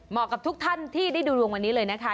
กับทุกท่านที่ได้ดูดวงวันนี้เลยนะคะ